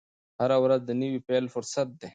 هره ورځ د نوي پیل فرصت دی.